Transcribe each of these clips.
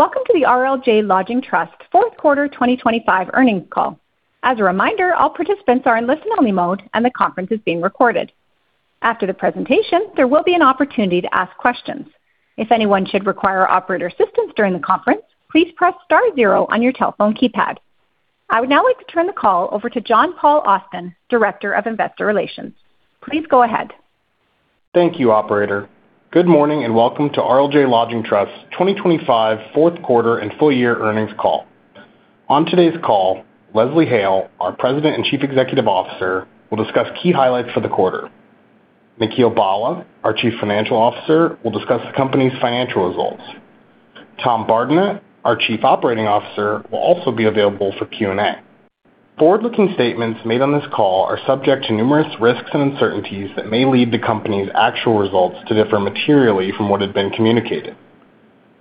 Welcome to the RLJ Lodging Trust fourth quarter 2025 earnings call. As a reminder, all participants are in listen-only mode, and the conference is being recorded. After the presentation, there will be an opportunity to ask questions. If anyone should require operator assistance during the conference, please press star zero on your telephone keypad. I would now like to turn the call over to John Paul Austin, Director of Investor Relations. Please go ahead. Thank you, operator. Good morning, and welcome to RLJ Lodging Trust's 2025 fourth quarter and full year earnings call. On today's call, Leslie Hale, our President and Chief Executive Officer, will discuss key highlights for the quarter. Nikhil Bhalla, our Chief Financial Officer, will discuss the company's financial results. Tom Bardenett, our Chief Operating Officer, will also be available for Q&A. Forward-looking statements made on this call are subject to numerous risks and uncertainties that may lead the company's actual results to differ materially from what had been communicated.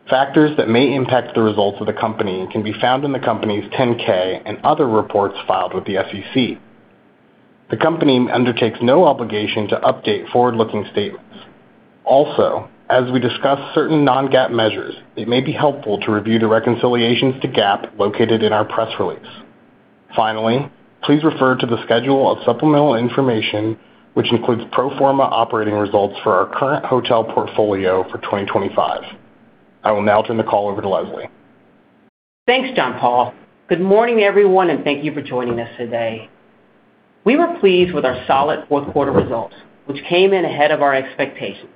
Factors that may impact the results of the company can be found in the company's 10-K and other reports filed with the SEC. The company undertakes no obligation to update forward-looking statements. Also, as we discuss certain non-GAAP measures, it may be helpful to review the reconciliations to GAAP located in our press release. Finally, please refer to the schedule of supplemental information, which includes pro forma operating results for our current hotel portfolio for 2025. I will now turn the call over to Leslie. Thanks, John Paul. Good morning, everyone, and thank you for joining us today. We were pleased with our solid fourth quarter results, which came in ahead of our expectations,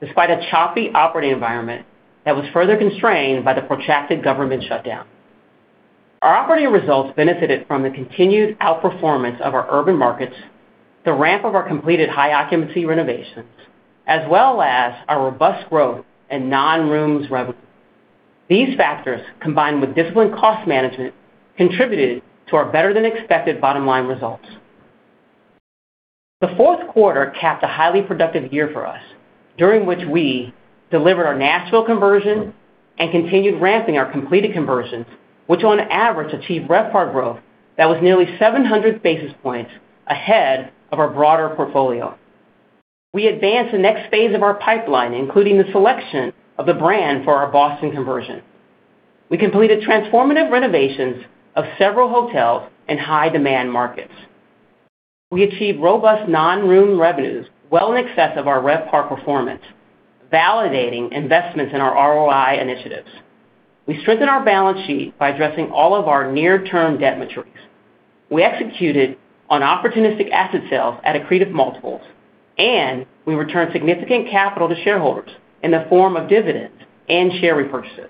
despite a choppy operating environment that was further constrained by the protracted government shutdown. Our operating results benefited from the continued outperformance of our urban markets, the ramp of our completed high occupancy renovations, as well as our robust growth in non-rooms revenue. These factors, combined with disciplined cost management, contributed to our better-than-expected bottom-line results. The fourth quarter capped a highly productive year for us, during which we delivered our Nashville conversion and continued ramping our completed conversions, which on average, achieved RevPAR growth that was nearly 700 basis points ahead of our broader portfolio. We advanced the next phase of our pipeline, including the selection of the brand for our Boston conversion. We completed transformative renovations of several hotels in high-demand markets. We achieved robust non-room revenues well in excess of our RevPAR performance, validating investments in our ROI initiatives. We strengthened our balance sheet by addressing all of our near-term debt maturities. We executed on opportunistic asset sales at accretive multiples. We returned significant capital to shareholders in the form of dividends and share repurchases.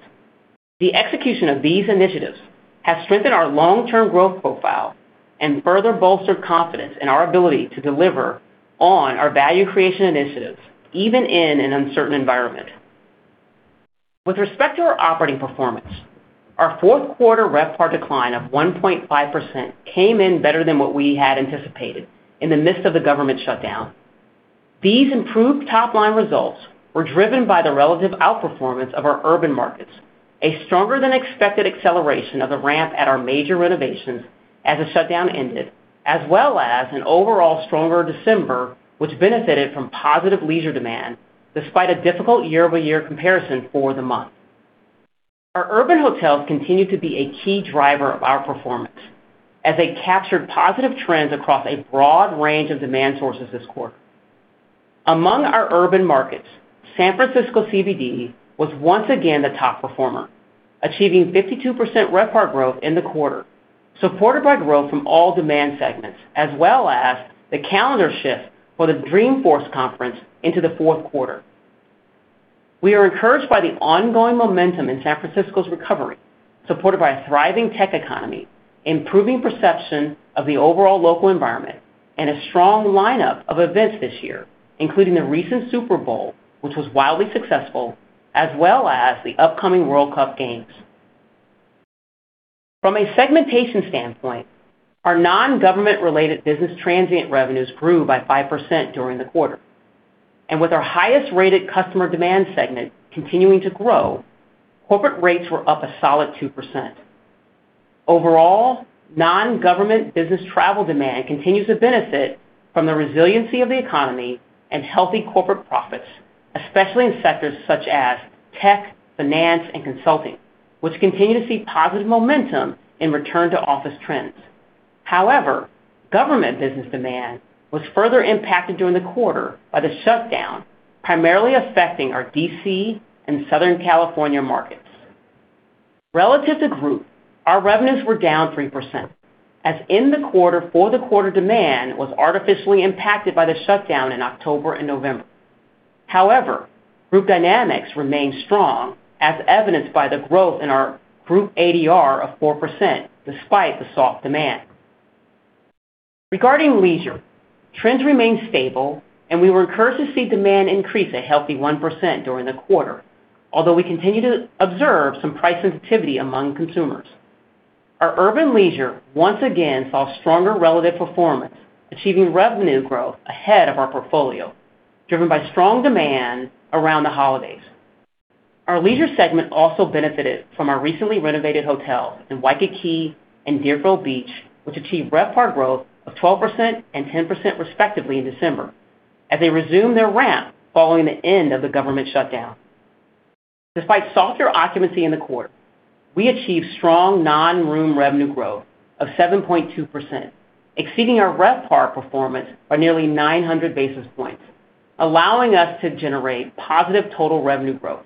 The execution of these initiatives has strengthened our long-term growth profile and further bolstered confidence in our ability to deliver on our value creation initiatives, even in an uncertain environment. With respect to our operating performance, our fourth quarter RevPAR decline of 1.5% came in better than what we had anticipated in the midst of the government shutdown. These improved top-line results were driven by the relative outperformance of our urban markets, a stronger-than-expected acceleration of the ramp at our major renovations as the shutdown ended, as well as an overall stronger December, which benefited from positive leisure demand despite a difficult year-over-year comparison for the month. Our urban hotels continued to be a key driver of our performance as they captured positive trends across a broad range of demand sources this quarter. Among our urban markets, San Francisco CBD was once again the top performer, achieving 52% RevPAR growth in the quarter, supported by growth from all demand segments, as well as the calendar shift for the Dreamforce conference into the fourth quarter. We are encouraged by the ongoing momentum in San Francisco's recovery, supported by a thriving tech economy, improving perception of the overall local environment, and a strong lineup of events this year, including the recent Super Bowl, which was wildly successful, as well as the upcoming World Cup games. From a segmentation standpoint, our non-government related business transient revenues grew by 5% during the quarter. With our highest-rated customer demand segment continuing to grow, corporate rates were up a solid 2%. Overall, non-government business travel demand continues to benefit from the resiliency of the economy and healthy corporate profits, especially in sectors such as tech, finance, and consulting, which continue to see positive momentum in return to office trends. However, government business demand was further impacted during the quarter by the shutdown, primarily affecting our D.C. and Southern California markets. Relative to group, our revenues were down 3%, as for the quarter, demand was artificially impacted by the shutdown in October and November. However, group dynamics remained strong, as evidenced by the growth in our group ADR of 4%, despite the soft demand. Regarding leisure, trends remained stable, and we were encouraged to see demand increase a healthy 1% during the quarter, although we continue to observe some price sensitivity among consumers. Our urban leisure once again saw stronger relative performance, achieving revenue growth ahead of our portfolio, driven by strong demand around the holidays. Our leisure segment also benefited from our recently renovated hotels in Waikiki and Deerfield Beach, which achieved RevPAR growth of 12% and 10%, respectively, in December, as they resume their ramp following the end of the government shutdown. Despite softer occupancy in the quarter, we achieved strong non-room revenue growth of 7.2%, exceeding our RevPAR performance by nearly 900 basis points, allowing us to generate positive total revenue growth.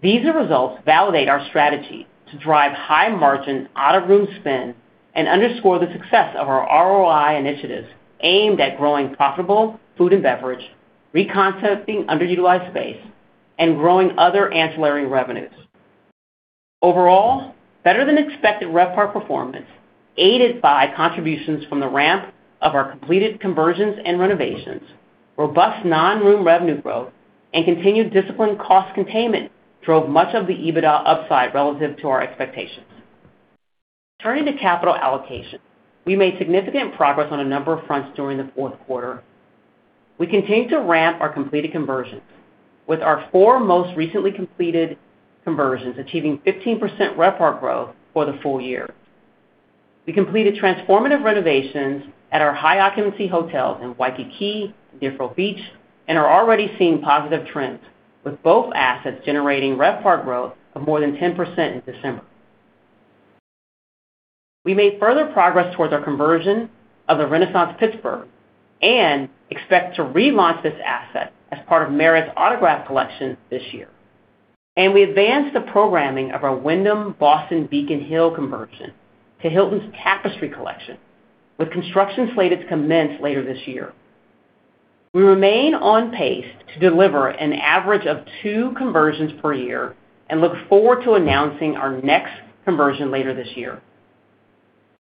These results validate our strategy to drive high-margin, out-of-room spend and underscore the success of our ROI initiatives aimed at growing profitable food and beverage, re-concepting underutilized space, and growing other ancillary revenues. Overall, better-than-expected RevPAR performance, aided by contributions from the ramp of our completed conversions and renovations, robust non-room revenue growth, and continued disciplined cost containment, drove much of the EBITDA upside relative to our expectations. Turning to capital allocation. We made significant progress on a number of fronts during the fourth quarter. We continued to ramp our completed conversions, with our four most recently completed conversions achieving 15% RevPAR growth for the full year. We completed transformative renovations at our high-occupancy hotels in Waikiki and Deerfield Beach, and are already seeing positive trends, with both assets generating RevPAR growth of more than 10% in December. We made further progress towards our conversion of the Renaissance Pittsburgh and expect to relaunch this asset as part of Marriott's Autograph Collection this year. We advanced the programming of our Wyndham Boston Beacon Hill conversion to Hilton's Tapestry Collection, with construction slated to commence later this year. We remain on pace to deliver an average of two conversions per year and look forward to announcing our next conversion later this year.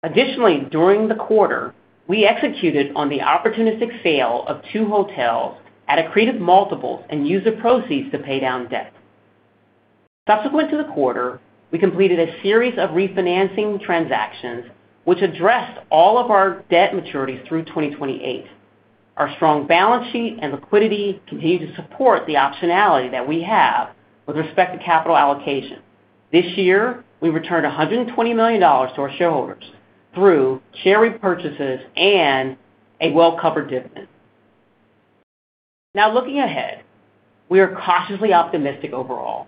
Additionally, during the quarter, we executed on the opportunistic sale of two hotels at accretive multiples and used the proceeds to pay down debt. Subsequent to the quarter, we completed a series of refinancing transactions, which addressed all of our debt maturities through 2028. Our strong balance sheet and liquidity continue to support the optionality that we have with respect to capital allocation. This year, we returned $120 million to our shareholders through share repurchases and a well-covered dividend. Looking ahead, we are cautiously optimistic overall.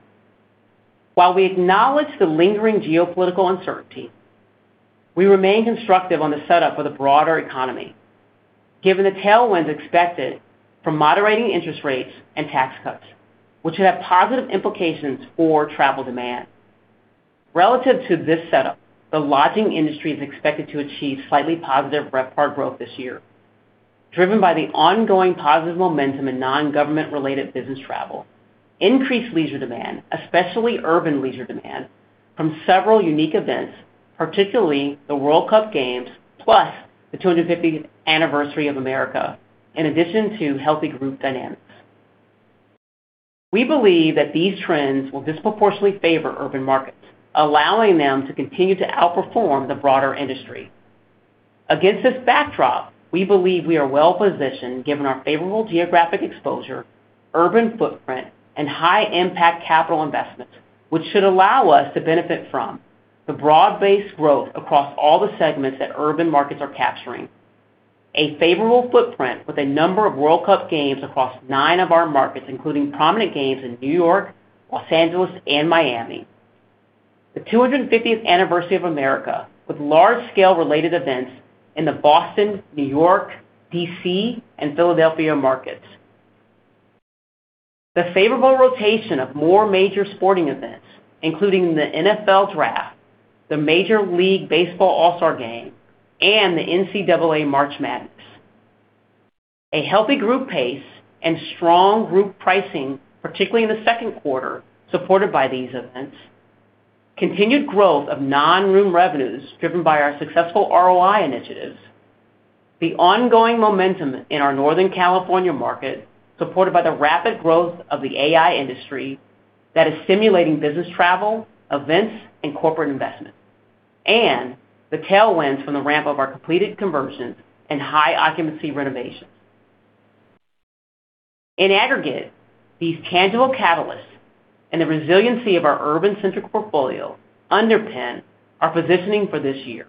While we acknowledge the lingering geopolitical uncertainty, we remain constructive on the setup for the broader economy, given the tailwinds expected from moderating interest rates and tax cuts, which should have positive implications for travel demand. Relative to this setup, the lodging industry is expected to achieve slightly positive RevPAR growth this year, driven by the ongoing positive momentum in non-government related business travel, increased leisure demand, especially urban leisure demand, from several unique events, particularly the World Cup games, plus the 250th anniversary of America, in addition to healthy group dynamics. We believe that these trends will disproportionately favor urban markets, allowing them to continue to outperform the broader industry. Against this backdrop, we believe we are well positioned, given our favorable geographic exposure, urban footprint, and high-impact capital investments, which should allow us to benefit from the broad-based growth across all the segments that urban markets are capturing. A favorable footprint with a number of World Cup games across nine of our markets, including prominent games in New York, Los Angeles, and Miami. The 250th anniversary of America, with large-scale related events in the Boston, New York, D.C., and Philadelphia markets. The favorable rotation of more major sporting events, including the NFL Draft, the Major League Baseball All-Star Game, and the NCAA March Madness. A healthy group pace and strong group pricing, particularly in the second quarter, supported by these events. Continued growth of non-room revenues, driven by our successful ROI initiatives. The ongoing momentum in our Northern California market, supported by the rapid growth of the AI industry that is stimulating business travel, events, and corporate investment, and the tailwinds from the ramp of our completed conversions and high-occupancy renovations. These tangible catalysts and the resiliency of our urban-centric portfolio underpin our positioning for this year.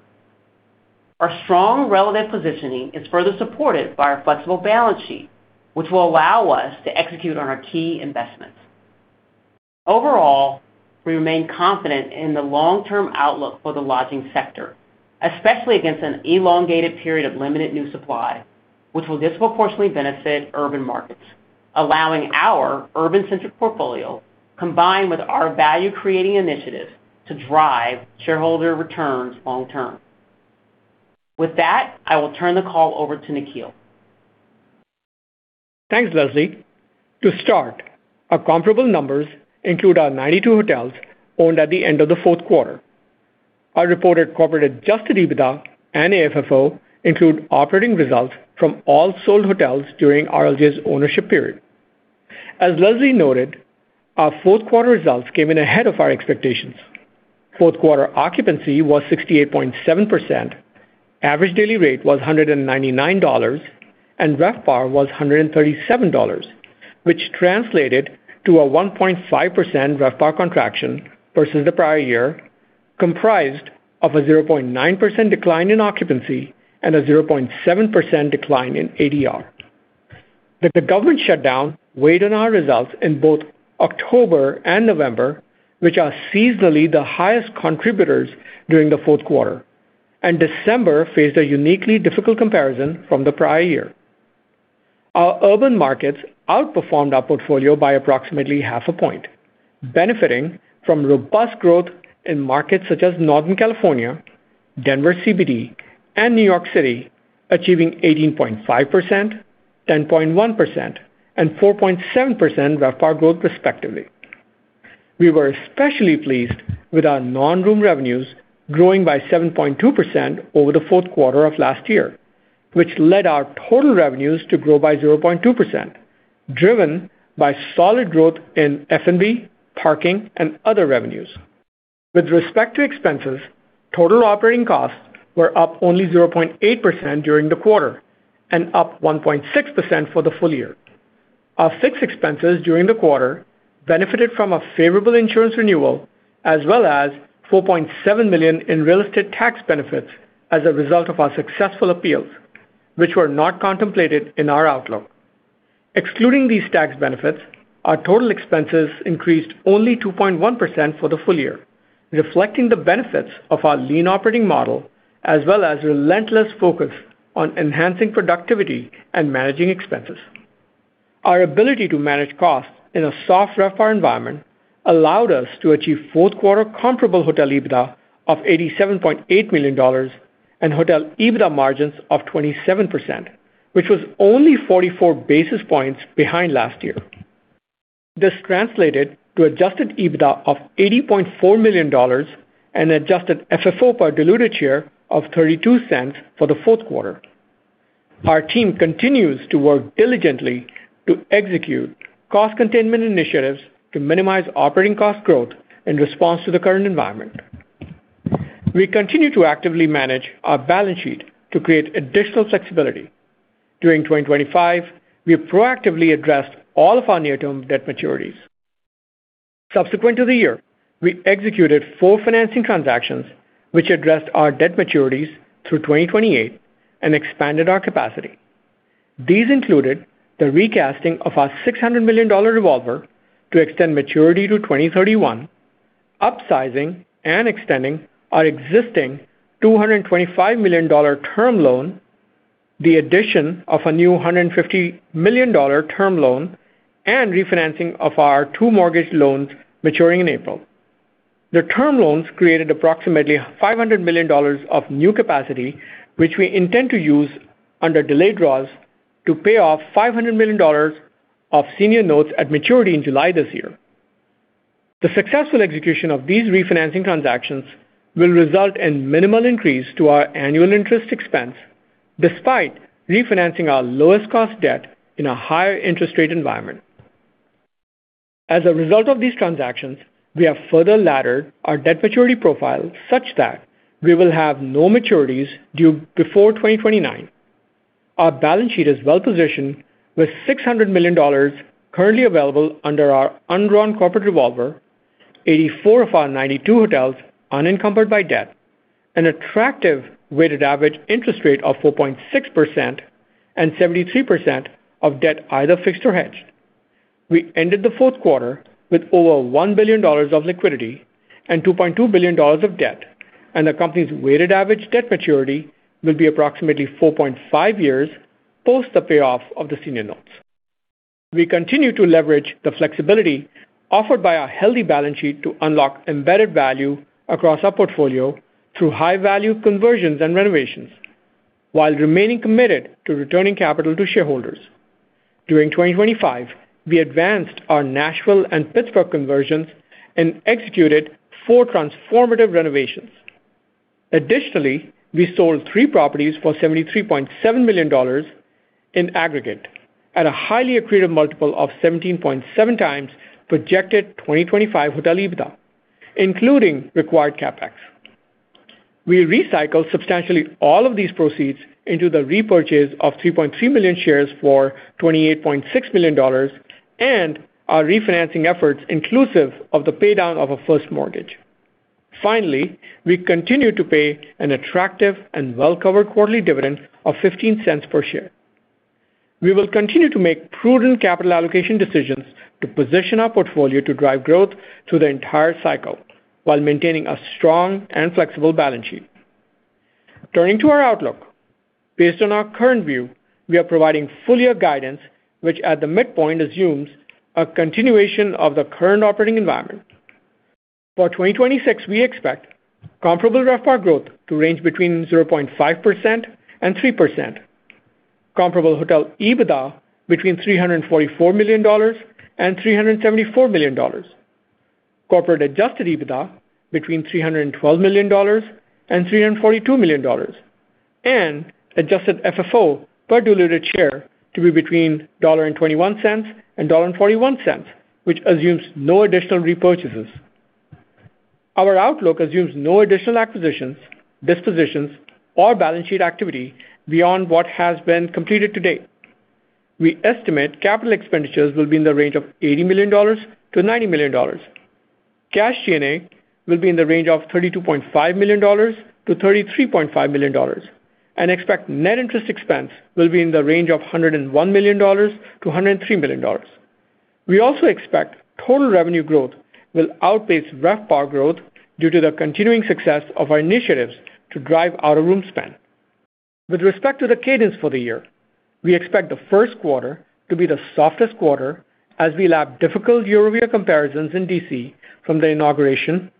Our strong relative positioning is further supported by our flexible balance sheet, which will allow us to execute on our key investments. We remain confident in the long-term outlook for the lodging sector, especially against an elongated period of limited new supply, which will disproportionately benefit urban markets, allowing our urban-centric portfolio, combined with our value-creating initiatives, to drive shareholder returns long term. I will turn the call over to Nikhil. Thanks, Leslie. To start, our comparable numbers include our 92 hotels owned at the end of the fourth quarter. Our reported corporate adjusted EBITDA and AFFO include operating results from all sold hotels during RLJ's ownership period. As Leslie noted, our fourth quarter results came in ahead of our expectations. Fourth quarter occupancy was 68.7%, average daily rate was $199, and RevPAR was $137, which translated to a 1.5% RevPAR contraction versus the prior year. comprised of a 0.9% decline in occupancy and a 0.7% decline in ADR. That the government shutdown weighed on our results in both October and November, which are seasonally the highest contributors during the fourth quarter, and December faced a uniquely difficult comparison from the prior year. Our urban markets outperformed our portfolio by approximately half a point, benefiting from robust growth in markets such as Northern California, Denver CBD, and New York City, achieving 18.5%, 10.1%, and 4.7% RevPAR growth, respectively. We were especially pleased with our non-room revenues growing by 7.2% over the fourth quarter of last year, which led our total revenues to grow by 0.2%, driven by solid growth in F&B, parking, and other revenues. With respect to expenses, total operating costs were up only 0.8% during the quarter, and up 1.6% for the full year. Our fixed expenses during the quarter benefited from a favorable insurance renewal, as well as $4.7 million in real estate tax benefits as a result of our successful appeals, which were not contemplated in our outlook. Excluding these tax benefits, our total expenses increased only 2.1% for the full year, reflecting the benefits of our lean operating model, as well as relentless focus on enhancing productivity and managing expenses. Our ability to manage costs in a soft RevPAR environment allowed us to achieve fourth quarter comparable hotel EBITDA of $87.8 million and hotel EBITDA margins of 27%, which was only 44 basis points behind last year. This translated to adjusted EBITDA of $80.4 million and adjusted FFO per diluted share of $0.32 for the fourth quarter. Our team continues to work diligently to execute cost containment initiatives to minimize operating cost growth in response to the current environment. We continue to actively manage our balance sheet to create additional flexibility. During 2025, we proactively addressed all of our near-term debt maturities. Subsequent to the year, we executed four financing transactions, which addressed our debt maturities through 2028 and expanded our capacity. These included the recasting of our $600 million revolver to extend maturity to 2031, upsizing and extending our existing $225 million term loan, the addition of a new $150 million term loan, and refinancing of our two mortgage loans maturing in April. The term loans created approximately $500 million of new capacity, which we intend to use under delayed draws to pay off $500 million of senior notes at maturity in July this year. The successful execution of these refinancing transactions will result in minimal increase to our annual interest expense, despite refinancing our lowest cost debt in a higher interest rate environment. As a result of these transactions, we have further laddered our debt maturity profile such that we will have no maturities due before 2029. Our balance sheet is well positioned, with $600 million currently available under our undrawn corporate revolver, 84 of our 92 hotels unencumbered by debt, an attractive weighted average interest rate of 4.6%, and 73% of debt either fixed or hedged. We ended the fourth quarter with over $1 billion of liquidity and $2.2 billion of debt, the company's weighted average debt maturity will be approximately 4.5 years post the payoff of the senior notes. We continue to leverage the flexibility offered by our healthy balance sheet to unlock embedded value across our portfolio through high-value conversions and renovations, while remaining committed to returning capital to shareholders. During 2025, we advanced our Nashville and Pittsburgh conversions and executed four transformative renovations. Additionally, we sold three properties for $73.7 million in aggregate at a highly accretive multiple of 17.7x projected 2025 hotel EBITDA, including required CapEx. We recycled substantially all of these proceeds into the repurchase of 3.3 million shares for $28.6 million, and our refinancing efforts, inclusive of the paydown of a first mortgage. We continue to pay an attractive and well-covered quarterly dividend of $0.15 per share. We will continue to make prudent capital allocation decisions to position our portfolio to drive growth through the entire cycle, while maintaining a strong and flexible balance sheet. Turning to our outlook. Based on our current view, we are providing full year guidance, which at the midpoint, assumes a continuation of the current operating environment. For 2026, we expect comparable RevPAR growth to range between 0.5% and 3%. Comparable hotel EBITDA between $344 million and $374 million. Corporate adjusted EBITDA between $312 million and $342 million. Adjusted FFO per diluted share to be between $1.21 and $1.41, which assumes no additional repurchases. Our outlook assumes no additional acquisitions, dispositions, or balance sheet activity beyond what has been completed to date. We estimate capital expenditures will be in the range of $80 million-$90 million. Cash G&A will be in the range of $32.5 million-$33.5 million, and expect net interest expense will be in the range of $101 million-$103 million. We also expect total revenue growth will outpace RevPAR growth due to the continuing success of our initiatives to drive out-of-room spend. With respect to the cadence for the year, we expect the first quarter to be the softest quarter as we lap difficult year-over-year comparisons in D.C. from the inauguration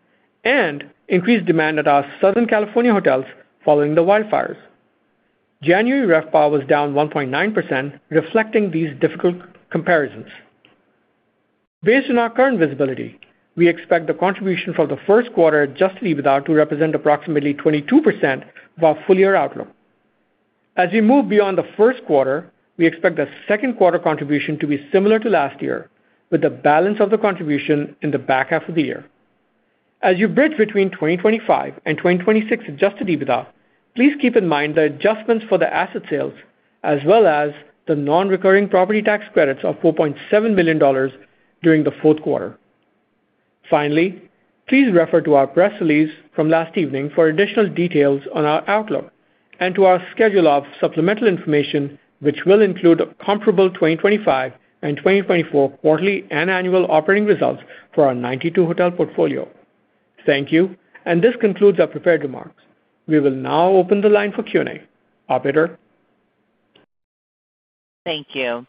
and increased demand at our Southern California hotels following the wildfires. January RevPAR was down 1.9%, reflecting these difficult comparisons. Based on our current visibility, we expect the contribution from the first quarter adjusted EBITDA to represent approximately 22% of our full year outlook. We move beyond the first quarter, we expect the second quarter contribution to be similar to last year, with the balance of the contribution in the back half of the year. You bridge between 2025 and 2026 adjusted EBITDA, please keep in mind the adjustments for the asset sales as well as the non-recurring property tax credits of $4.7 million during the fourth quarter. Finally, please refer to our press release from last evening for additional details on our outlook and to our schedule of supplemental information, which will include comparable 2025 and 2024 quarterly and annual operating results for our 92 hotel portfolio. Thank you, and this concludes our prepared remarks. We will now open the line for Q&A. Operator? Thank you.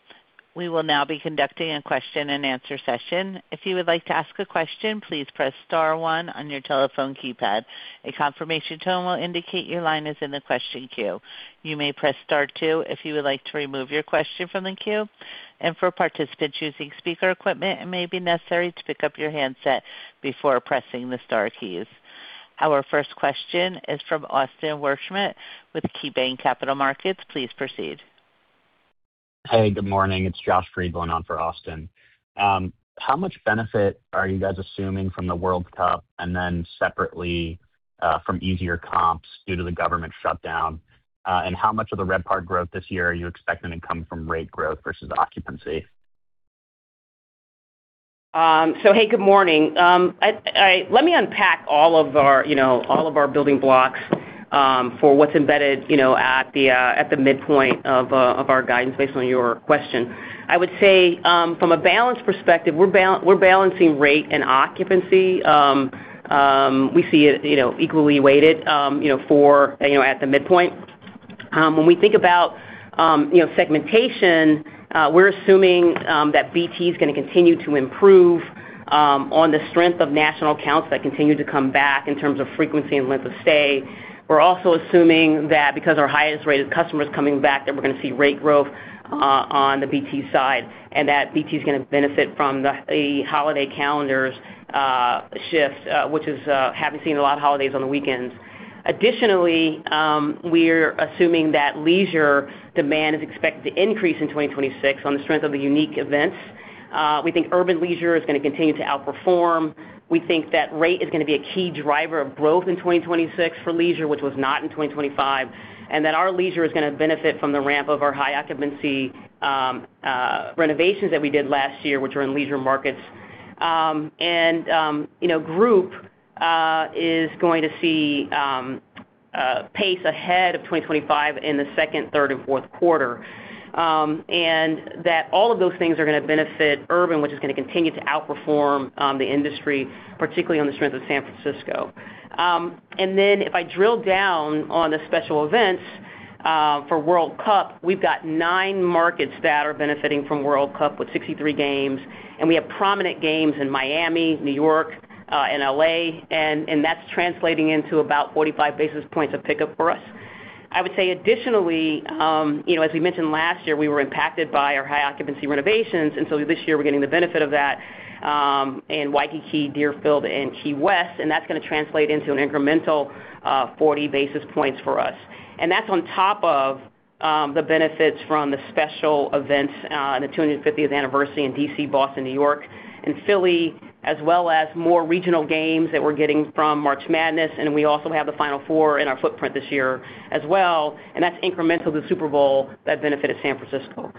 We will now be conducting a question-and-answer session. If you would like to ask a question, please press star one on your telephone keypad. A confirmation tone will indicate your line is in the question queue. You may press star two if you would like to remove your question from the queue. For participants using speaker equipment, it may be necessary to pick up your handset before pressing the star keys. Our first question is from Austin Wurschmidt with KeyBanc Capital Markets. Please proceed. Hey, good morning. It's Josh Friedland on for Austin. How much benefit are you guys assuming from the World Cup, and then separately, from easier comps due to the government shutdown? How much of the RevPAR growth this year are you expecting to come from rate growth versus occupancy? Hey, good morning. I... Let me unpack all of our, you know, all of our building blocks, for what's embedded, you know, at the, at the midpoint of our guidance based on your question. I would say, from a balance perspective, we're balancing rate and occupancy. We see it, you know, equally weighted, you know, for, you know, at the midpoint. When we think about, you know, segmentation, we're assuming that BT is going to continue to improve on the strength of national accounts that continue to come back in terms of frequency and length of stay. We're also assuming that because our highest rated customer is coming back, that we're going to see rate growth, on the BT side, and that BT is going to benefit from the holiday calendars, shift, which is, haven't seen a lot of holidays on the weekends. Additionally, we're assuming that leisure demand is expected to increase in 2026 on the strength of the unique events. We think urban leisure is going to continue to outperform. We think that rate is going to be a key driver of growth in 2026 for leisure, which was not in 2025, and that our leisure is going to benefit from the ramp of our high occupancy renovations that we did last year, which are in leisure markets. you know, group is going to see pace ahead of 2025 in the second, third, and fourth quarter. All of those things are going to benefit urban, which is going to continue to outperform the industry, particularly on the strength of San Francisco. If I drill down on the special events for World Cup, we've got nine markets that are benefiting from World Cup with 63 games, and we have prominent games in Miami, New York, and L.A., that's translating into about 45 basis points of pickup for us. I would say additionally, you know, as we mentioned last year, we were impacted by our high occupancy renovations, and so this year, we're getting the benefit of that in Waikiki, Deerfield, and Key West, and that's going to translate into an incremental 40 basis points for us. That's on top of the benefits from the special events and the 250th anniversary in D.C., Boston, New York, and Philly, as well as more regional games that we're getting from March Madness, and we also have the Final Four in our footprint this year as well, and that's incremental to the Super Bowl that benefited San Francisco.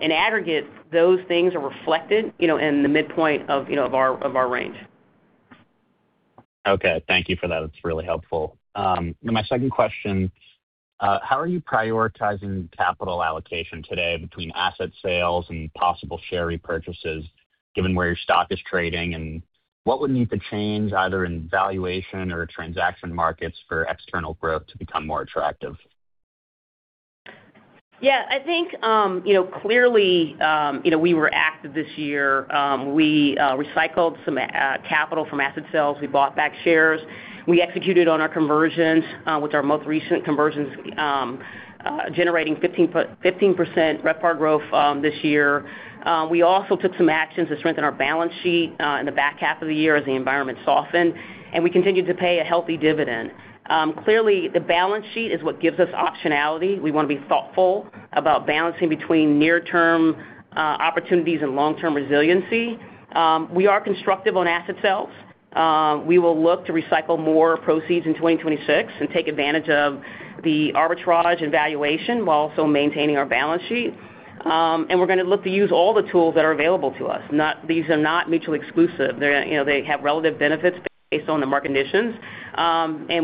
In aggregate, those things are reflected, you know, in the midpoint of our range. Okay, thank you for that. It's really helpful. My second question, how are you prioritizing capital allocation today between asset sales and possible share repurchases, given where your stock is trading, and what would need to change either in valuation or transaction markets for external growth to become more attractive? Clearly, you know, we were active this year. We recycled some capital from asset sales. We bought back shares. We executed on our conversions with our most recent conversions generating 15% RevPAR growth this year. We also took some actions to strengthen our balance sheet in the back half of the year as the environment softened. We continued to pay a healthy dividend. Clearly, the balance sheet is what gives us optionality. We want to be thoughtful about balancing between near-term opportunities and long-term resiliency. We are constructive on asset sales. We will look to recycle more proceeds in 2026 and take advantage of the arbitrage and valuation while also maintaining our balance sheet. We're gonna look to use all the tools that are available to us. These are not mutually exclusive. You know, they have relative benefits based on the market conditions.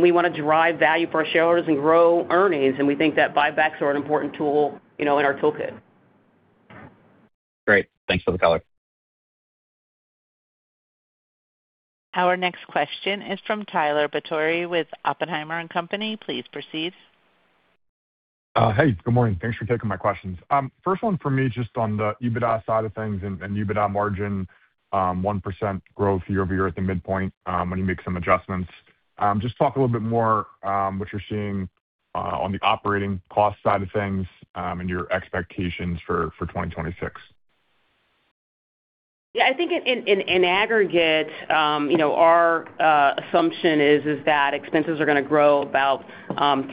We wanna drive value for our shareholders and grow earnings, and we think that buybacks are an important tool, you know, in our toolkit. Great. Thanks for the color. Our next question is from Tyler Batory with Oppenheimer & Co. Please proceed. Hey, good morning. Thanks for taking my questions. First one for me, just on the EBITDA side of things and EBITDA margin, 1% growth year-over-year at the midpoint, when you make some adjustments. Just talk a little bit more what you're seeing on the operating cost side of things and your expectations for 2026. Yeah, I think in aggregate, you know, our assumption is that expenses are gonna grow about 3%.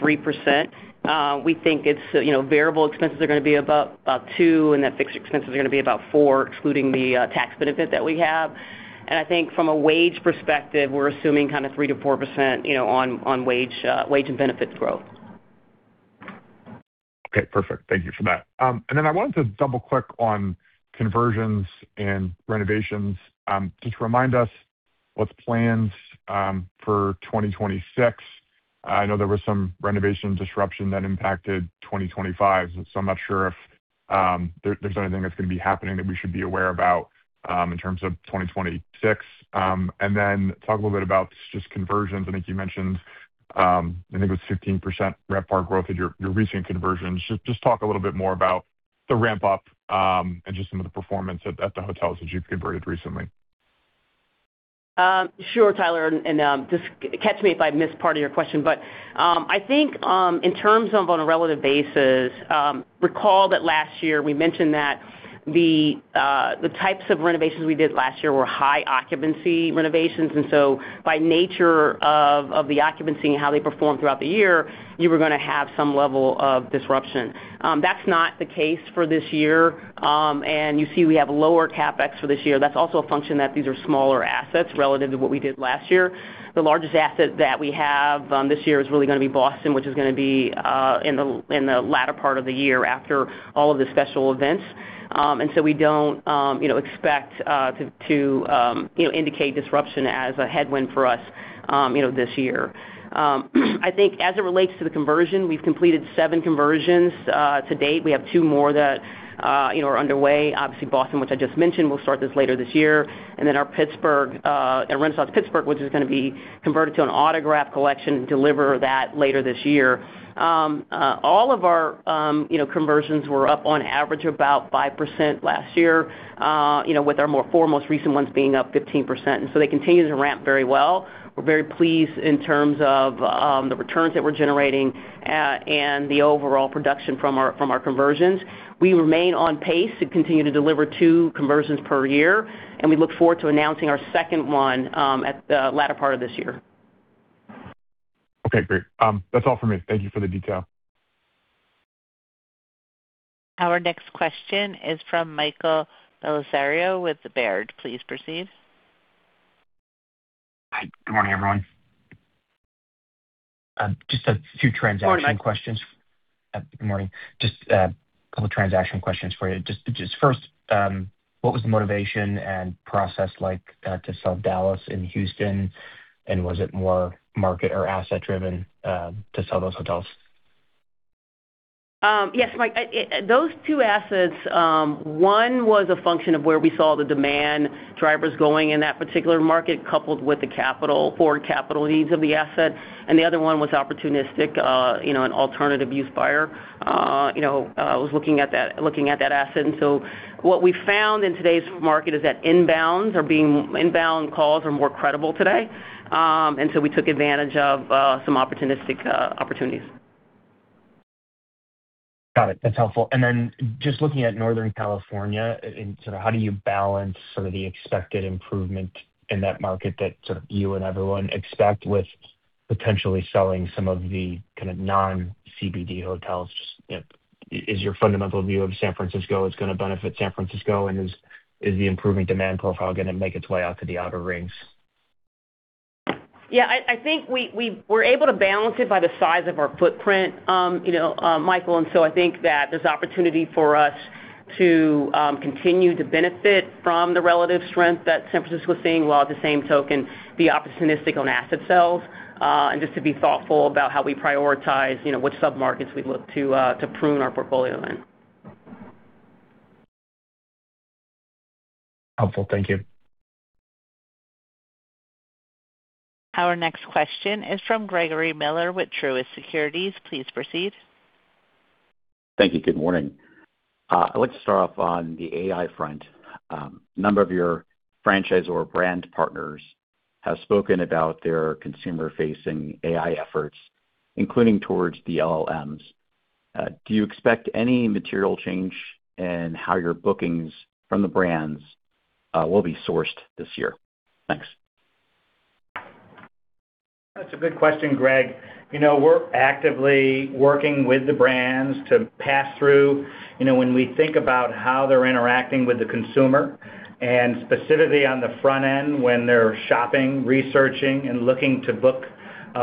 We think it's, you know, variable expenses are gonna be about two, and that fixed expenses are gonna be about four, excluding the tax benefit that we have. And I think from a wage perspective, we're assuming kind of 3%-4%, you know, on wage and benefit growth. Okay, perfect. Thank you for that. I wanted to double-click on conversions and renovations. Just remind us what's planned for 2026. I know there was some renovation disruption that impacted 2025, so I'm not sure if there's anything that's gonna be happening that we should be aware about in terms of 2026. Talk a little bit about just conversions. I think you mentioned, I think it was 15% RevPAR growth in your recent conversions. Just talk a little bit more about the ramp-up and just some of the performance at the hotels that you've converted recently. Sure, Tyler, and just catch me if I missed part of your question. I think in terms of on a relative basis, recall that last year we mentioned that the types of renovations we did last year were high occupancy renovations, and so by nature of the occupancy and how they performed throughout the year, you were gonna have some level of disruption. That's not the case for this year. You see we have lower CapEx for this year. That's also a function that these are smaller assets relative to what we did last year. The largest asset that we have this year is really gonna be Boston, which is gonna be in the latter part of the year after all of the special events. We don't, you know, expect to, you know, indicate disruption as a headwind for us, you know, this year. I think as it relates to the conversion, we've completed seven conversions to date. We have two more that, you know, are underway. Obviously, Boston, which I just mentioned, we'll start this later this year, and then our Pittsburgh, at Renaissance Pittsburgh, which is gonna be converted to an Autograph Collection, deliver that later this year. All of our, you know, conversions were up on average about 5% last year, you know, with our more foremost recent ones being up 15%, and so they continue to ramp very well. We're very pleased in terms of the returns that we're generating, and the overall production from our conversions. We remain on pace to continue to deliver two conversions per year, and we look forward to announcing our second one at the latter part of this year. Okay, great. That's all for me. Thank you for the detail. Our next question is from Michael Bellisario with Baird. Please proceed. Hi, good morning, everyone. Just a few transaction questions. Good morning, Mike. Good morning. Just a couple transaction questions for you. Just first, what was the motivation and process like to sell Dallas and Houston, and was it more market or asset-driven to sell those hotels? Yes, Mike. I those two assets, one was a function of where we saw the demand drivers going in that particular market, coupled with the capital, forward capital needs of the asset, and the other one was opportunistic, an alternative use buyer was looking at that asset. What we found in today's market is that inbound calls are more credible today. We took advantage of some opportunistic opportunities. Got it. That's helpful. Just looking at Northern California, sort of how do you balance some of the expected improvement in that market that sort of you and everyone expect, with potentially selling some of the kind of non-CBD hotels? Just, you know, is your fundamental view of San Francisco is gonna benefit San Francisco, is the improving demand profile gonna make its way out to the outer rings? Yeah, I think we're able to balance it by the size of our footprint, you know, Michael. I think that there's opportunity for us to continue to benefit from the relative strength that San Francisco is seeing, while at the same token, be opportunistic on asset sales, and just to be thoughtful about how we prioritize, you know, which sub-markets we look to prune our portfolio in. Helpful. Thank you. Our next question is from Gregory Miller with Truist Securities. Please proceed. Thank you. Good morning. I'd like to start off on the AI front. A number of your franchise or brand partners have spoken about their consumer-facing AI efforts, including towards the LLMs. Do you expect any material change in how your bookings from the brands will be sourced this year? Thanks. That's a good question, Greg. You know, we're actively working with the brands to pass through, you know, when we think about how they're interacting with the consumer, and specifically on the front end, when they're shopping, researching, and looking to book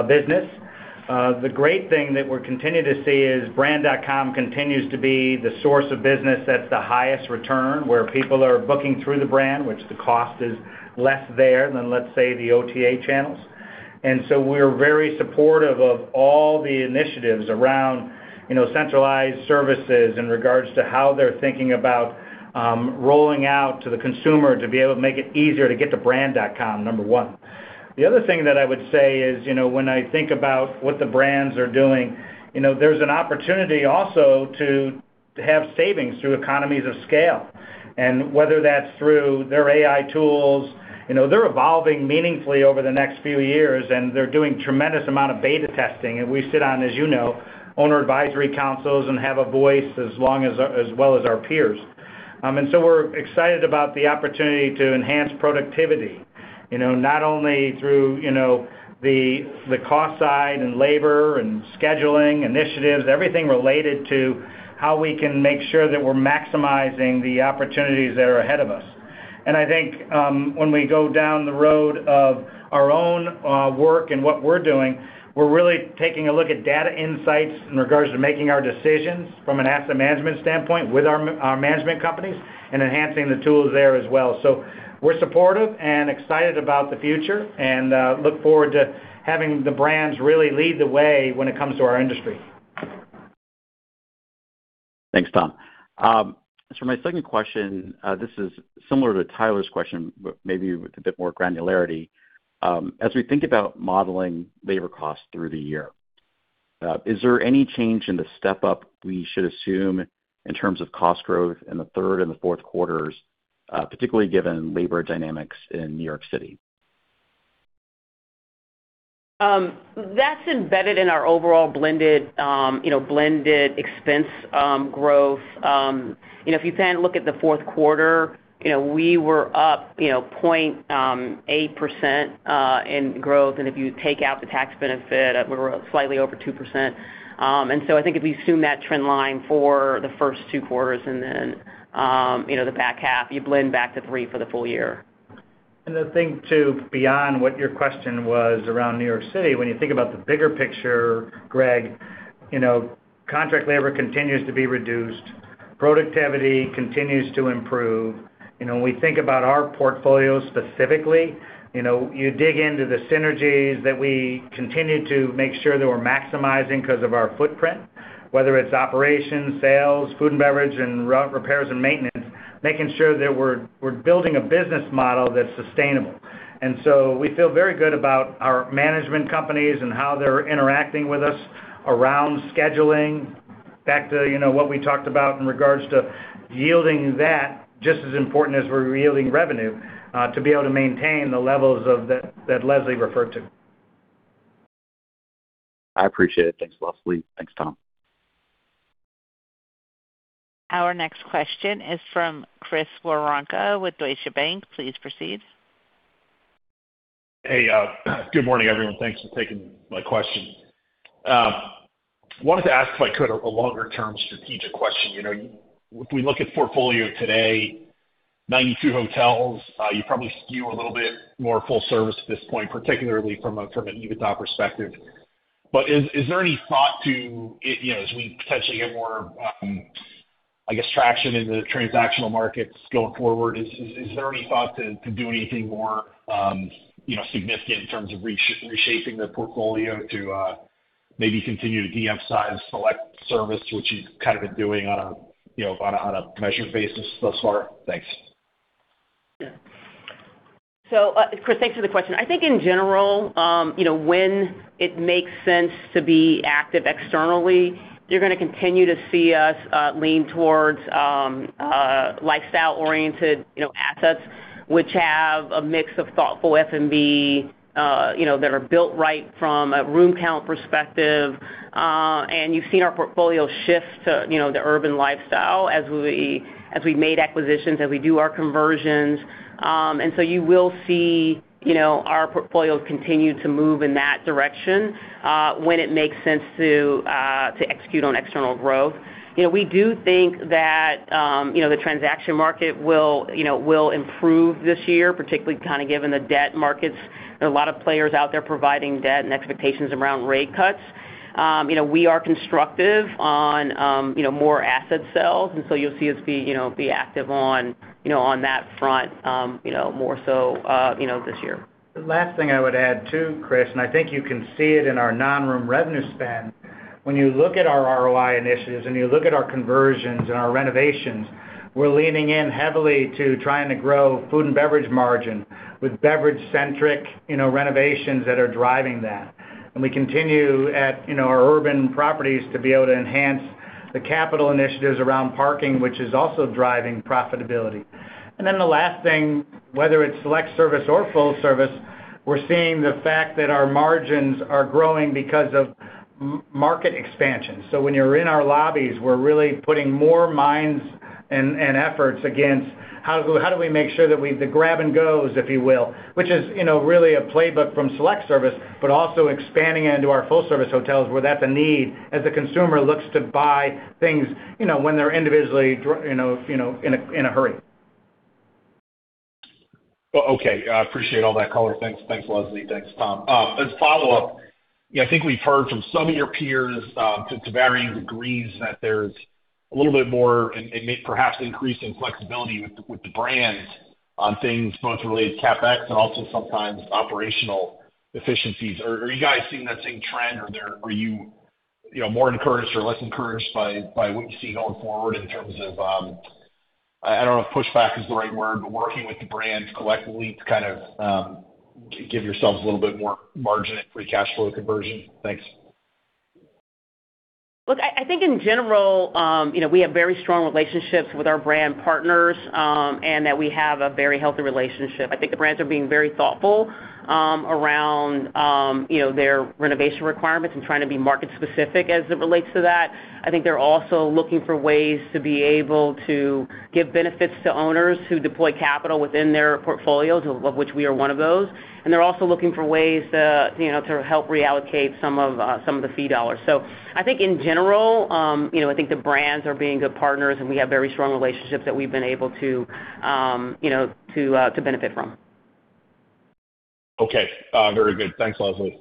business. The great thing that we're continuing to see is brand.com continues to be the source of business that's the highest return, where people are booking through the brand, which the cost is less there than, let's say, the OTA channels. We're very supportive of all the initiatives around, you know, centralized services in regards to how they're thinking about rolling out to the consumer to be able to make it easier to get to brand.com, number one. The other thing that I would say is, you know, when I think about what the brands are doing, you know, there's an opportunity also to have savings through economies of scale. Whether that's through their AI tools, you know, they're evolving meaningfully over the next few years, and they're doing tremendous amount of beta testing. We sit on, as you know, owner advisory councils and have a voice as well as our peers. We're excited about the opportunity to enhance productivity, you know, not only through, you know, the cost side and labor and scheduling initiatives, everything related to how we can make sure that we're maximizing the opportunities that are ahead of us. I think, when we go down the road of our own work and what we're doing, we're really taking a look at data insights in regards to making our decisions from an asset management standpoint with our management companies, and enhancing the tools there as well. We're supportive and excited about the future, and, look forward to having the brands really lead the way when it comes to our industry. Thanks, Tom. My second question, this is similar to Tyler's question, but maybe with a bit more granularity. As we think about modeling labor costs through the year, is there any change in the step-up we should assume in terms of cost growth in the third and the fourth quarters, particularly given labor dynamics in New York City? That's embedded in our overall blended, you know, blended expense, growth. You know, if you then look at the fourth quarter, you know, we were up, you know, point 8% in growth. If you take out the tax benefit, we were up slightly over 2%. I think if you assume that trend line for the first two quarters and then, you know, the back half, you blend back to 3% for the full year. The thing, too, beyond what your question was around New York City, when you think about the bigger picture, Greg, you know, contract labor continues to be reduced, productivity continues to improve. You know, when we think about our portfolio specifically, you know, you dig into the synergies that we continue to make sure that we're maximizing 'cause of our footprint, whether it's operations, sales, food and beverage, and repairs and maintenance, making sure that we're building a business model that's sustainable. So we feel very good about our management companies and how they're interacting with us around scheduling. Back to, you know, what we talked about in regards to yielding that, just as important as we're yielding revenue, to be able to maintain the levels of that Leslie referred to. I appreciate it. Thanks, Leslie. Thanks, Tom. Our next question is from Chris Woronka with Deutsche Bank. Please proceed. Hey, good morning, everyone. Thanks for taking my question. Wanted to ask, if I could, a longer-term strategic question. You know, if we look at portfolio today, 92 hotels, you probably skew a little bit more full service at this point, particularly from an EBITDA perspective. Is there any thought to, you know, as we potentially get more, I guess, traction in the transactional markets going forward, is there any thought to do anything more, you know, significant in terms of reshaping the portfolio to, maybe continue to de-emphasize select service, which you've kind of been doing on a, you know, on a measured basis thus far? Thanks. Chris, thanks for the question. I think in general, you know, when it makes sense to be active externally, you're going to continue to see us lean towards lifestyle-oriented, you know, assets, which have a mix of thoughtful F&B, you know, that are built right from a room count perspective. You've seen our portfolio shift to, you know, the urban lifestyle as we made acquisitions, as we do our conversions. You will see, you know, our portfolios continue to move in that direction when it makes sense to execute on external growth. You know, we do think that, you know, the transaction market will, you know, improve this year, particularly kind of given the debt markets. There are a lot of players out there providing debt and expectations around rate cuts. You know, we are constructive on, you know, more asset sales, and so you'll see us be, you know, be active on, you know, on that front, you know, more so, you know, this year. The last thing I would add, too, Chris, I think you can see it in our non-room revenue spend. When you look at our ROI initiatives, you look at our conversions and our renovations, we're leaning in heavily to trying to grow food and beverage margin with beverage-centric, you know, renovations that are driving that. We continue at, you know, our urban properties to be able to enhance the capital initiatives around parking, which is also driving profitability. The last thing, whether it's select service or full service, we're seeing the fact that our margins are growing because of market expansion. When you're in our lobbies, we're really putting more minds... Efforts against how do we make sure that we, the grab-and-gos, if you will, which is, you know, really a playbook from select service, but also expanding into our full-service hotels, where that's a need as the consumer looks to buy things, you know, when they're individually you know, in a hurry. Well, okay, I appreciate all that color. Thanks. Thanks, Leslie. Thanks, Tom. As a follow-up, yeah, I think we've heard from some of your peers, to varying degrees, that there's a little bit more and perhaps increase in flexibility with the, with the brands on things both related to CapEx and also sometimes operational efficiencies. Are you guys seeing that same trend? Or are you know, more encouraged or less encouraged by what you see going forward in terms of, I don't know if pushback is the right word, but working with the brands collectively to kind of give yourselves a little bit more margin and free cash flow conversion? Thanks. Look, I think in general, you know, we have very strong relationships with our brand partners, and that we have a very healthy relationship. I think the brands are being very thoughtful, around, you know, their renovation requirements and trying to be market-specific as it relates to that. I think they're also looking for ways to be able to give benefits to owners who deploy capital within their portfolios, of which we are one of those. They're also looking for ways to, you know, to help reallocate some of the fee dollars. I think in general, you know, I think the brands are being good partners, and we have very strong relationships that we've been able to, you know, to benefit from. Okay, very good. Thanks, Leslie.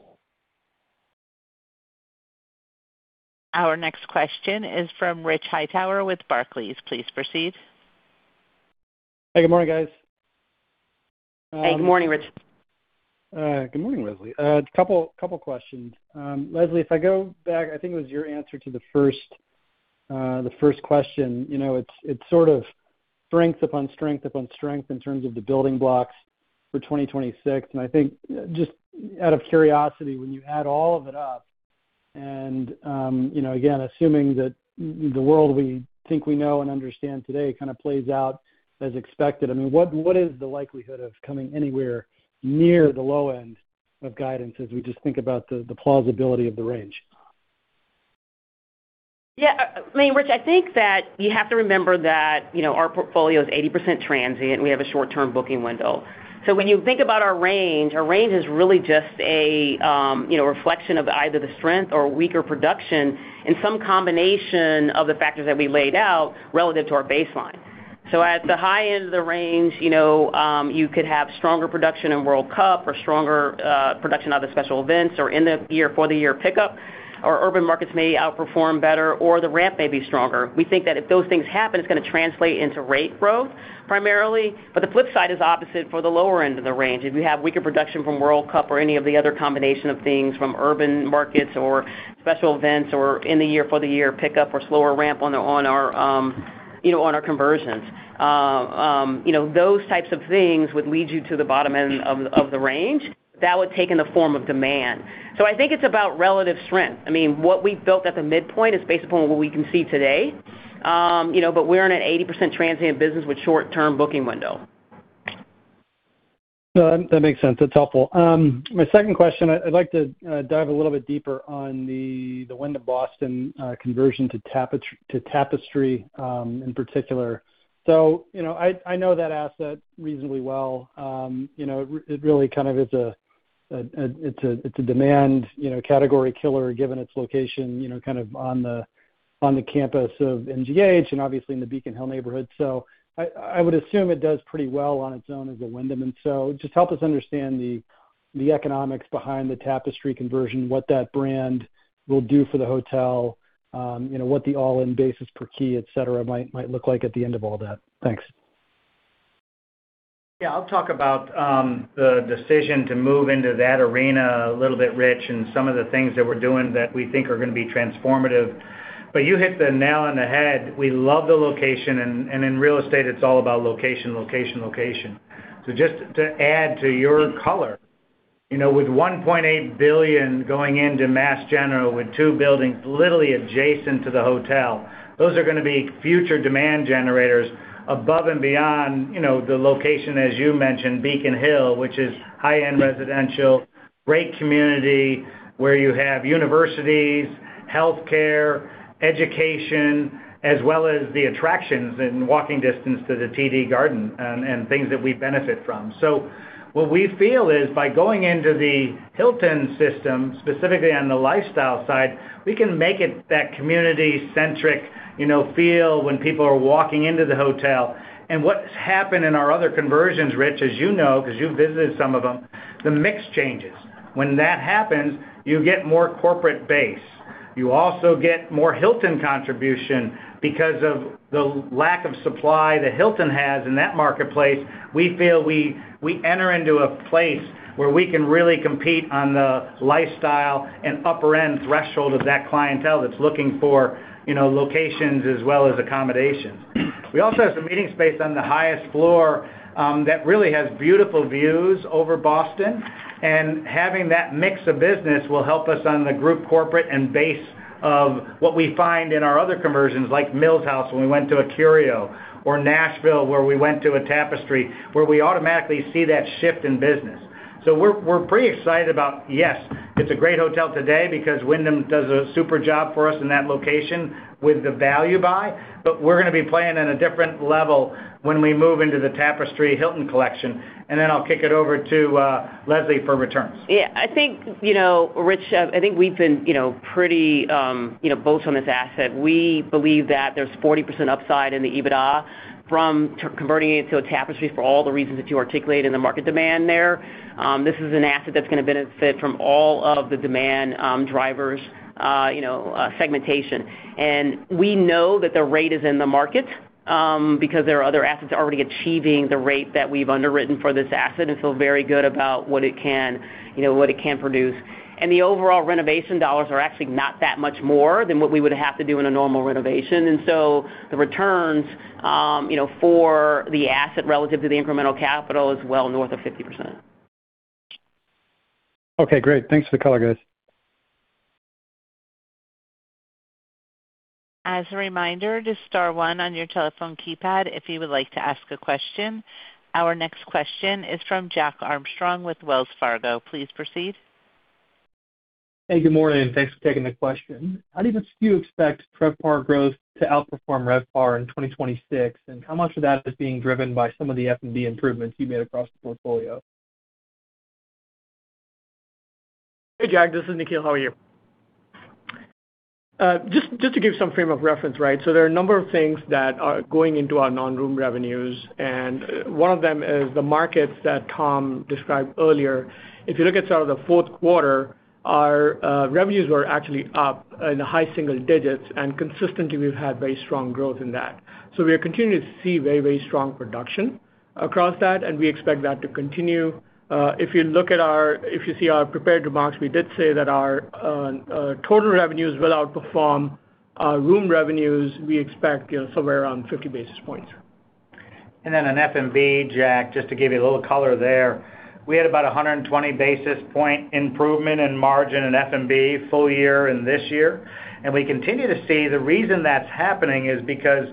Our next question is from Rich Hightower with Barclays. Please proceed. Hey, good morning, guys. Hey, good morning, Rich. Good morning, Leslie. Couple questions. Leslie, if I go back, I think it was your answer to the first question. You know, it's sort of strength upon strength upon strength in terms of the building blocks for 2026. I think, just out of curiosity, when you add all of it up and, you know, again, assuming that the world we think we know and understand today kind of plays out as expected, I mean, what is the likelihood of coming anywhere near the low end of guidance as we just think about the plausibility of the range? Yeah, I mean, Rich, I think that you have to remember that, you know, our portfolio is 80% transient. We have a short-term booking window. When you think about our range, our range is really just a, you know, reflection of either the strength or weaker production in some combination of the factors that we laid out relative to our baseline. At the high end of the range, you know, you could have stronger production in World Cup or stronger production, other special events, or in the year for the year pickup, or urban markets may outperform better, or the ramp may be stronger. We think that if those things happen, it's gonna translate into rate growth primarily, the flip side is opposite for the lower end of the range. If you have weaker production from World Cup or any of the other combination of things, from urban markets or special events or in the year, for the year pickup or slower ramp on our, on our, you know, on our conversions. You know, those types of things would lead you to the bottom end of the range. That would take in the form of demand. I think it's about relative strength. I mean, what we've built at the midpoint is based upon what we can see today. You know, but we're in an 80% transient business with short-term booking window. No, that makes sense. That's helpful. My second question, I'd like to dive a little bit deeper on the Wyndham Boston conversion to Tapestry in particular. You know, I know that asset reasonably well. You know, it really kind of is a, it's a, it's a demand, you know, category killer, given its location, you know, kind of on the, on the campus of MGH and obviously in the Beacon Hill neighborhood. Just help us understand the economics behind the Tapestry conversion, what that brand will do for the hotel, you know, what the all-in basis per key, et cetera, might look like at the end of all that. Thanks. Yeah. I'll talk about the decision to move into that arena a little bit, Rich, and some of the things that we're doing that we think are gonna be transformative. You hit the nail on the head. We love the location, and in real estate, it's all about location, location. Just to add to your color, you know, with $1.8 billion going into Mass General, with two buildings literally adjacent to the hotel, those are gonna be future demand generators above and beyond, you know, the location, as you mentioned, Beacon Hill, which is high-end residential, great community, where you have universities, healthcare, education, as well as the attractions and walking distance to the TD Garden and things that we benefit from. What we feel is, by going into the Hilton system, specifically on the lifestyle side, we can make it that community-centric, you know, feel when people are walking into the hotel. What's happened in our other conversions, Rich, as you know, because you've visited some of them, the mix changes. When that happens, you get more corporate base. You also get more Hilton contribution because of the lack of supply that Hilton has in that marketplace, we feel we enter into a place where we can really compete on the lifestyle and upper-end threshold of that clientele that's looking for, you know, locations as well as accommodations. We also have some meeting space on the highest floor, that really has beautiful views over Boston, and having that mix of business will help us on the group corporate and base of what we find in our other conversions, like Mills House, when we went to a Curio, or Nashville, where we went to a Tapestry, where we automatically see that shift in business. We're pretty excited about, yes, it's a great hotel today because Wyndham does a super job for us in that location with the value buy, but we're gonna be playing on a different level when we move into the Tapestry Hilton collection. I'll kick it over to Leslie for returns. Yeah, I think, you know, Rich, I think we've been, you know, pretty bold on this asset. We believe that there's 40% upside in the EBITDA from converting it to a Tapestry, for all the reasons that you articulated, in the market demand there. This is an asset that's gonna benefit from all of the demand drivers, you know, segmentation. We know that the rate is in the market because there are other assets already achieving the rate that we've underwritten for this asset, and feel very good about what it can, you know, what it can produce. The overall renovation dollars are actually not that much more than what we would have to do in a normal renovation. The returns, you know, for the asset relative to the incremental capital is well north of 50%. Okay, great. Thanks for the color, guys. As a reminder, just star one on your telephone keypad if you would like to ask a question. Our next question is from Jack Armstrong with Wells Fargo. Please proceed. Hey, good morning. Thanks for taking the question. How do you expect RevPAR growth to outperform RevPAR in 2026, and how much of that is being driven by some of the F&B improvements you've made across the portfolio? Jack, this is Nikhil. How are you? Just to give some frame of reference, right? There are a number of things that are going into our non-room revenues, and one of them is the markets that Tom described earlier. If you look at sort of the fourth quarter, our revenues were actually up in the high single digits, and consistently, we've had very strong growth in that. We are continuing to see very strong production across that, and we expect that to continue. If you look at our If you see our prepared remarks, we did say that our total revenues will outperform our room revenues. We expect, you know, somewhere around 50 basis points. On F&B, Jack, just to give you a little color there, we had about a 120 basis point improvement in margin in F&B, full year and this year. We continue to see. The reason that's happening is because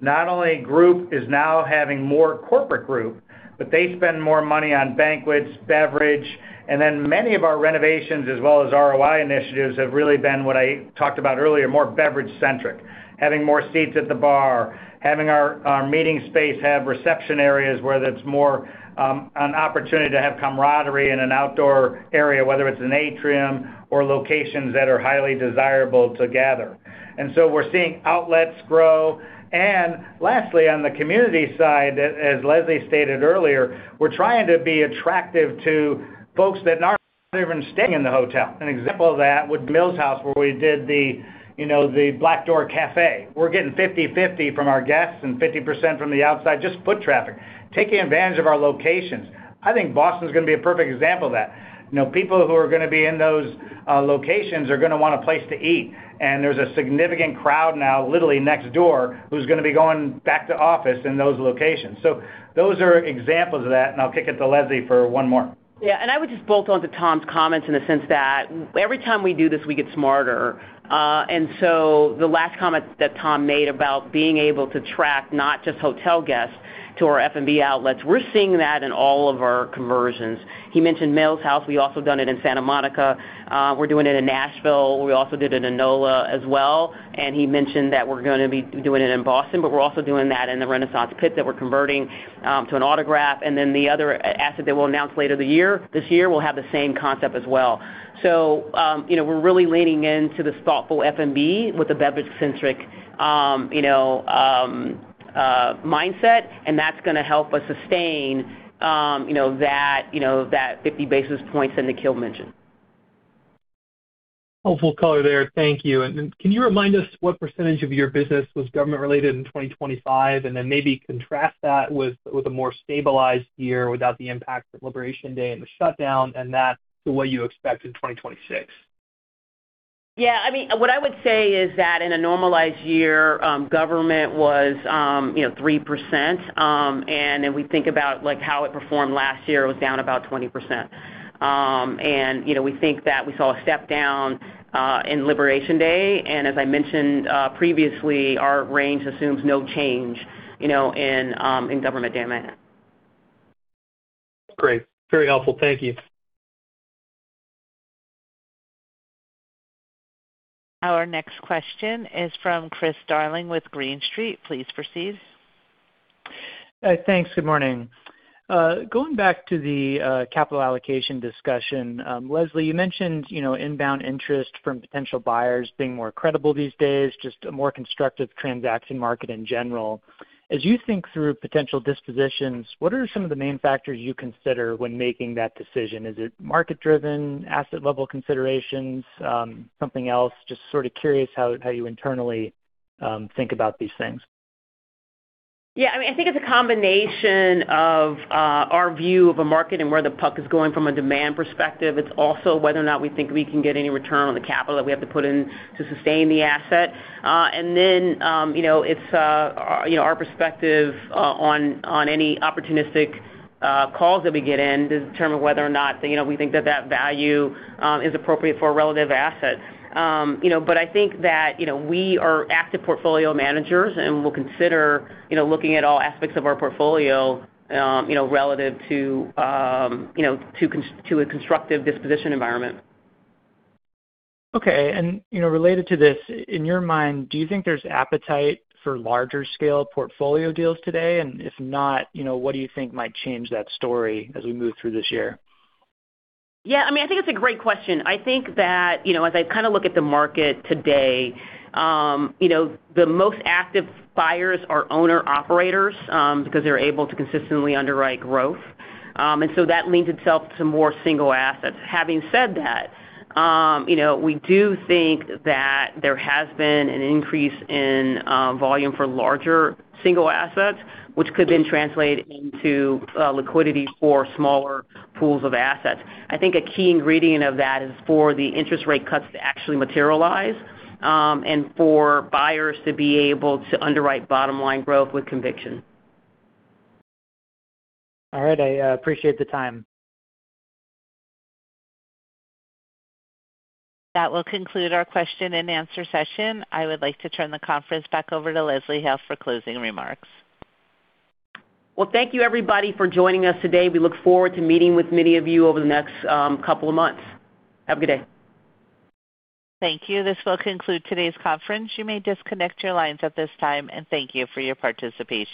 not only group is now having more corporate group, but they spend more money on banquets, beverage, and then many of our renovations as well as ROI initiatives, have really been what I talked about earlier, more beverage centric. Having more seats at the bar, having our meeting space have reception areas, whether it's more an opportunity to have camaraderie in an outdoor area, whether it's an atrium or locations that are highly desirable to gather. We're seeing outlets grow. Lastly, on the community side, as Leslie stated earlier, we're trying to be attractive to folks that are not even staying in the hotel. An example of that, with Mills House, where we did the, you know, The Black Door Café. We're getting 50/50 from our guests and 50% from the outside, just foot traffic, taking advantage of our locations. I think Boston is gonna be a perfect example of that. You know, people who are gonna be in those locations are gonna want a place to eat. There's a significant crowd now, literally next door, who's gonna be going back to office in those locations. Those are examples of that. I'll kick it to Leslie for one more. I would just bolt on to Tom's comments in the sense that every time we do this, we get smarter. The last comment that Tom made about being able to track not just hotel guests to our F&B outlets, we're seeing that in all of our conversions. He mentioned Mills House. We've also done it in Santa Monica, we're doing it in Nashville. We also did it in NOLA as well. He mentioned that we're gonna be doing it in Boston, but we're also doing that in the Renaissance Pitt, that we're converting to an Autograph. The other asset that we'll announce later this year will have the same concept as well. You know, we're really leaning into this thoughtful F&B with a beverage-centric, you know, mindset, and that's gonna help us sustain, you know, that, you know, that 50 basis points that Nikhil mentioned. Helpful color there. Thank you. Can you remind us what percentage of your business was government-related in 2025? Maybe contrast that with a more stabilized year, without the impact of Liberation Day and the shutdown, and that to what you expect in 2026. Yeah, I mean, what I would say is that in a normalized year, government was, you know, 3%. We think about, like, how it performed last year, it was down about 20%. You know, we think that we saw a step down in Liberation Day, and as I mentioned previously, our range assumes no change, you know, in government demand. Great. Very helpful. Thank you. Our next question is from Chris Darling with Green Street. Please proceed. Thanks. Good morning. Going back to the capital allocation discussion, Leslie, you mentioned, you know, inbound interest from potential buyers being more credible these days, just a more constructive transaction market in general. As you think through potential dispositions, what are some of the main factors you consider when making that decision? Is it market-driven, asset level considerations, something else? Just sort of curious how you internally think about these things. I mean, I think it's a combination of our view of a market and where the puck is going from a demand perspective. It's also whether or not we think we can get any return on the capital that we have to put in to sustain the asset. Then, you know, it's, you know, our perspective on any opportunistic calls that we get in to determine whether or not, you know, we think that that value is appropriate for a relative asset. I think that, you know, we are active portfolio managers, and we'll consider, you know, looking at all aspects of our portfolio, you know, relative to, you know, to a constructive disposition environment. Okay. You know, related to this, in your mind, do you think there's appetite for larger-scale portfolio deals today? If not, you know, what do you think might change that story as we move through this year? Yeah, I mean, I think it's a great question. I think that, you know, as I kind of look at the market today, you know, the most active buyers are owner-operators, because they're able to consistently underwrite growth. That lends itself to more single assets. Having said that, you know, we do think that there has been an increase in volume for larger single assets, which could then translate into liquidity for smaller pools of assets. I think a key ingredient of that is for the interest rate cuts to actually materialize, and for buyers to be able to underwrite bottom-line growth with conviction. All right. I appreciate the time. That will conclude our question-and-answer session. I would like to turn the conference back over to Leslie Hale for closing remarks. Well, thank you, everybody, for joining us today. We look forward to meeting with many of you over the next couple of months. Have a good day. Thank you. This will conclude today's conference. You may disconnect your lines at this time, and thank you for your participation.